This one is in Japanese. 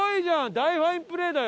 大ファインプレーだよ。